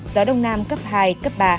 gió đông nam cấp hai cấp ba